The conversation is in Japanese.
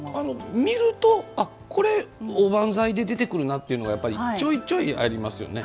見ると、これおばんざいで出てくるなっていうのがちょいちょいありますよね。